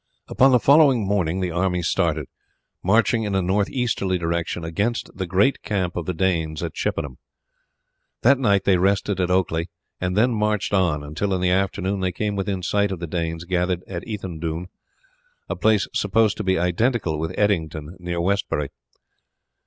Upon the following morning the army started, marching in a north easterly direction against the great camp of the Danes at Chippenham. That night they rested at Okeley, and then marched on until in the afternoon they came within sight of the Danes gathered at Ethandune, a place supposed to be identical with Edington near Westbury.